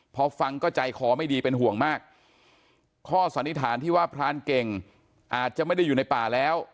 พอฟังก็ใจคอไม่ดีเป็นห่วงมากข้อสันนิษฐานที่ว่าพรานเก่งอาจจะไม่ได้อยู่ในป่าแล้ว